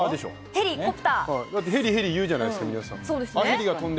ヘリ、ヘリ言うじゃない、皆さん。